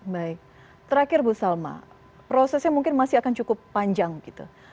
baik terakhir bu salma prosesnya mungkin masih akan cukup panjang gitu